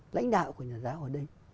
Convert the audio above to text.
lãnh đạo của nhà giáo ở đây